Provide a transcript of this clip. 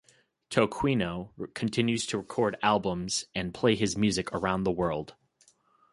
Toquinho continues to record albums and play his music around the world.